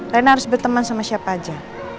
rena harus berteman sama siapa aja